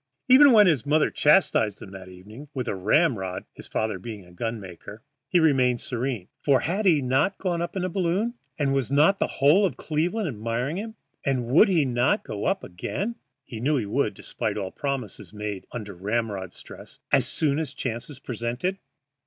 And even when his mother chastised him that evening with a ram rod (his father being a gun maker) he remained serene, for had he not gone up in a balloon, and was not the whole of Cleveland admiring him, and would he not go up again (he knew he would, despite all promises made under ram rod stress) as soon as the chance presented?